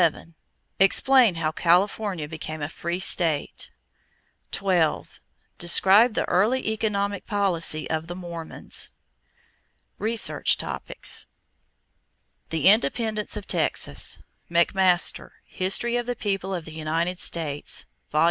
Explain how California became a free state. 12. Describe the early economic policy of the Mormons. =Research Topics= =The Independence of Texas.= McMaster, History of the People of the United States, Vol.